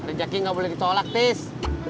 ojeknya nggak boleh ditolak tis